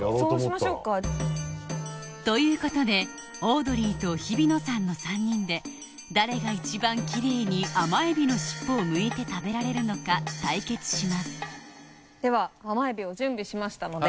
そうしましょうか。ということでオードリーと日比野さんの３人で誰が一番きれいに甘エビの尻尾を剥いて食べられるのか対決しますでは甘エビを準備しましたので。